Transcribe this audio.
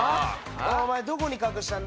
お前どこに隠したんだ？